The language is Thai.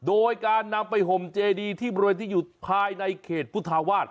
โดยการนำไปห่มเจดีที่บริเวณที่อยู่ภายในเขตพุทธาวาส